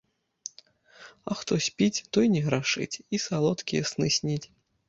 А хто спіць, той не грашыць і салодкія сны сніць.